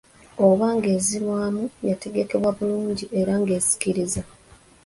Oba ng’enzirwamu yategekeddwa bulungi era ng’esikiriza